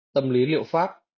tâm lý liệu pháp